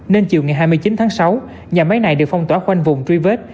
nên chiều ngày hai mươi chín tháng sáu nhà máy này được phong tỏa quanh vùng trivet